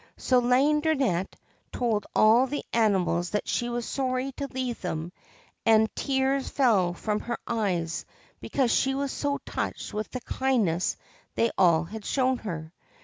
So Laideronnette told all the animals that she was sorry to leave them, and tears fell from her eyes, because she was so touched with the kindness they all had shown her.